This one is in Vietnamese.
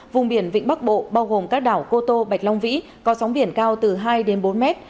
vùng biển vịnh bắc bộ bao gồm các đảo cô tô bạch long vĩ có sóng biển cao từ hai đến bốn mét